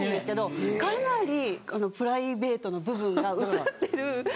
かなりプライベートな部分が映ってるはい。